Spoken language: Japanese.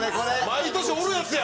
毎年おるヤツや！